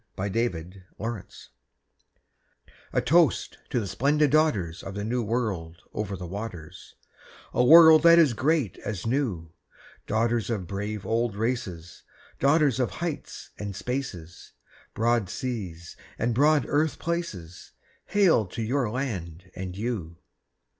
TO THE WOMEN OF AUSTRALIA A toast to the splendid daughters Of the New World over the waters, A world that is great as new; Daughters of brave old races, Daughters of heights and spaces, Broad seas and broad earth places— Hail to your land and you!